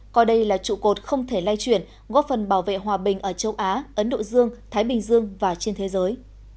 coi đây là trụ cột không thể lai chuyển góp phần bảo vệ hòa bình ở châu á ấn độ dương thái bình dương và trên thế giới